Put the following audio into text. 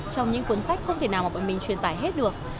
trong những cuốn sách không thể nào mà bọn mình truyền tải hết được